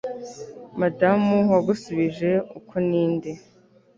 Madamu wagusubije uko ninde